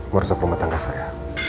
meresap rumah tangga saya